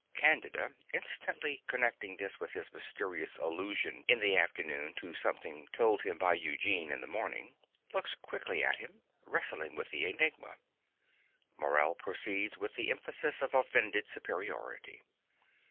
(Candida, instantly connecting this with his mysterious allusion in the afternoon to something told him by Eugene in the morning, looks quickly at him, wrestling with the enigma. Morell proceeds with the emphasis of offended superiority.)